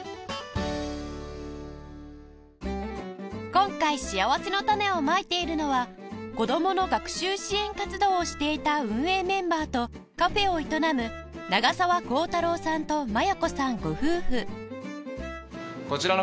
今回しあわせのたねをまいているのは子どもの学習支援活動をしていた運営メンバーとカフェを営む長澤広太郎さんと万耶子さんご夫婦